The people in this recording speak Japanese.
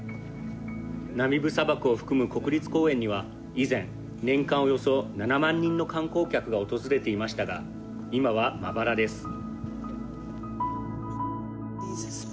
ナミブ砂漠を含む国立公園には以前、年間およそ７万人の観光客が訪れていましたが今はまばらです。